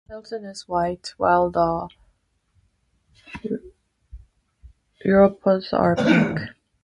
The telson is white while the uropods are pink.